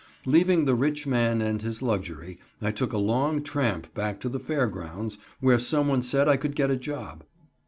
Leaving the rich man and his luxury, I took a long tramp back to the fair grounds, where someone said I could get a job.